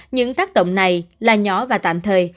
những tác động này là nhỏ và tạm thời